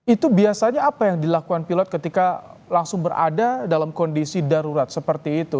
itu biasanya apa yang dilakukan pilot ketika langsung berada dalam kondisi darurat seperti itu